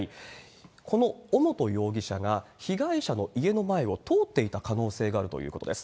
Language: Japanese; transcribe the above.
この尾本容疑者が被害者の家の前を通っていた可能性があるということです。